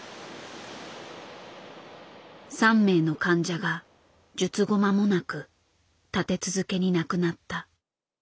３名の患者が術後間もなく立て続けに亡くなった。